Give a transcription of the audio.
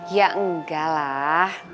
ya enggak lah